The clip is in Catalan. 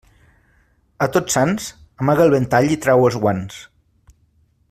A Tots Sants, amaga el ventall i trau els guants.